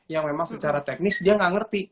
yang memang secara teknis dia nggak ngerti